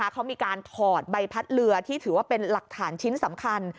เขามีการถอดใบพัดเรือที่ถือว่าเป็นหลักฐานชิ้นสำคัญ